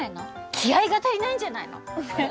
気合いが足りないんじゃないの？